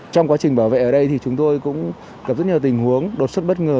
trong quá trình bảo vệ ở đây thì chúng tôi cũng gặp rất nhiều tình huống đột xuất bất ngờ